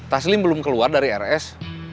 taslim belum keluar dari rs